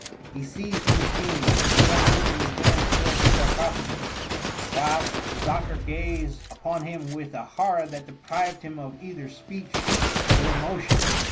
He seised the machine, and resolutely advanced towards the sarcopha gus, whilst the doctor gazed upon him with a horror that deprived him of either speech or motion.